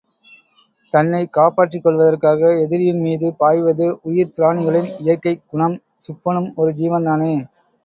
தன்னைக் காப்பாற்றிக் கொள்வதற்காக எதிரியின் மீது பாய்வது உயிர்ப் பிராணிகளின் இயற்கைக் குணம் சுப்பனும் ஒரு ஜீவன் தானே!